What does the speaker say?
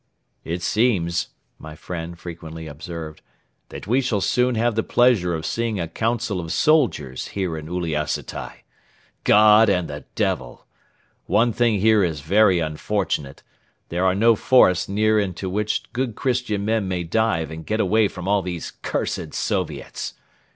"It seems," my friend frequently observed, "that we shall soon have the pleasure of seeing a Council of Soldiers here in Uliassutai. God and the Devil! One thing here is very unfortunate there are no forests near into which good Christian men may dive and get away from all these cursed Soviets.